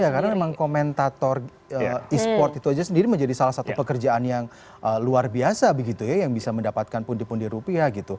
ya karena memang komentator e sport itu aja sendiri menjadi salah satu pekerjaan yang luar biasa begitu ya yang bisa mendapatkan pundi pundi rupiah gitu